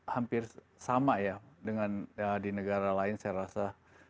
hampir sama ya dengan di negara lain saya rasa